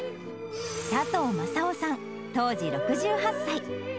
佐藤正男さん、当時６８歳。